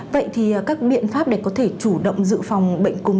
vậy thì các biện pháp để có thể chủ động dự phòng bệnh cúm